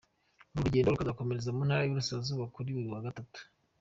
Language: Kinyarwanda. Uru rugendo rurakomereza mu ntara y’Iburasirazuba kuri uyu wa gatatu.